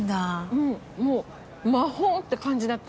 うんもう魔法って感じだった。